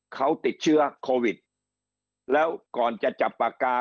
เขาติดเชื้อโควิดแล้วก่อนจะจับปากกา